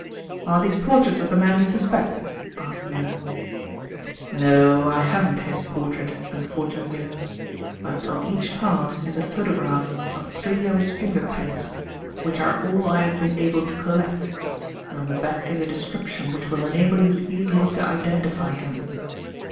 "Are these portraits of the man you suspect?" asked Miller. "No, I haven't his portrait, unfortunately, but on each card is a photograph of three of his finger prints, which are all I have been able to collect, and on the back is a description which will enable you easily to identify him.